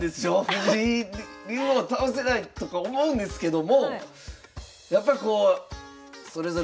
藤井竜王倒せないとか思うんですけどもやっぱりこうそれぞれ皆さんの活躍